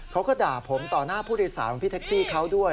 เขาก็ด่าผมต่อหน้าผู้โดยสารของพี่แท็กซี่เขาด้วย